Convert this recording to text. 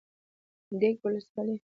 ديک ولسوالي